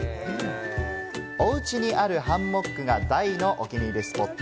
おうちにあるハンモックが大のお気に入りスポット。